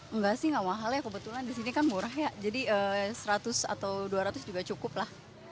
enggak sih nggak mahal ya kebetulan di sini kan murah ya jadi seratus atau dua ratus juga cukup lah